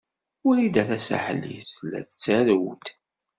Wrida Tasaḥlit tella tettarew-d.